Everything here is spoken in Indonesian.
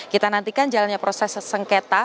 kita nantikan jalannya proses sengketa